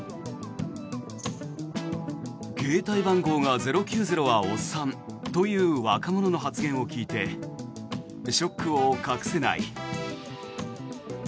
携帯番号が０９０はおっさんという若者の発言を聞いてショックを隠せない。